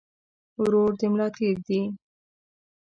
ورور د ملا تير دي